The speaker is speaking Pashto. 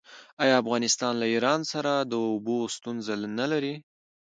آیا ایران له افغانستان سره د اوبو ستونزه نلري؟